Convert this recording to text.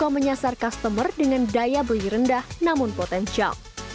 menyasar customer dengan daya beli rendah namun potensial